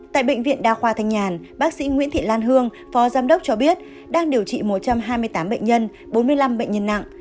tại bệnh viện đa khoa thanh nhàn bác sĩ nguyễn thị lan hương phó giám đốc cho biết đang điều trị một trăm hai mươi tám bệnh nhân bốn mươi năm bệnh nhân nặng